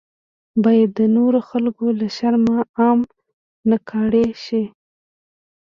باید د نورو خلکو له شرمه عام نکړای شي.